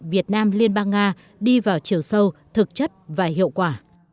việt nam liên bang nga đi vào chiều sâu thực chất và hiệu quả